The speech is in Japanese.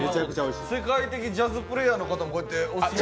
世界的ジャズプレーヤーの方がこうやって。